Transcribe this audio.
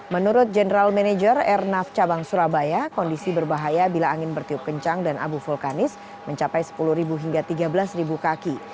menurut general manager airnav cabang surabaya kondisi berbahaya bila angin bertiup kencang dan abu vulkanis mencapai sepuluh hingga tiga belas kaki